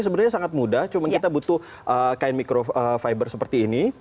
sebenarnya sangat mudah cuma kita butuh kain mikro fiber seperti ini